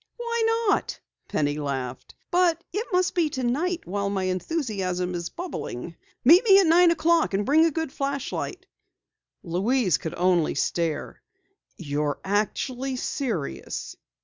"Why not?" Penny laughed. "But it must be tonight while my enthusiasm is bubbling. Meet me at nine o'clock and bring a good flashlight." Louise could only stare. "You're actually serious!"